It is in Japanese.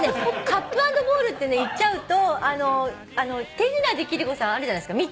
カップアンドボールって言っちゃうと手品で貴理子さんあるじゃないですか。